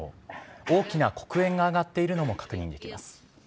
大きな黒煙が上がっているのも確認できます。